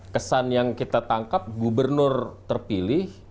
kesan yang kita tangkap gubernur terpilih